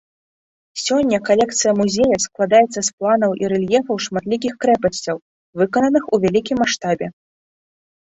Сёння калекцыя музея складаецца з планаў і рэльефаў шматлікіх крэпасцяў, выкананых у вялікім маштабе.